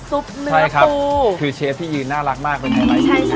ซุปเนื้อปูใช่ครับคือเชฟพี่ยืนน่ารักมากเป็นไฮไลท์ใช่ค่ะ